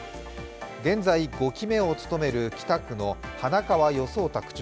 現在、５期目をつとめる北区の花川與惣太区長。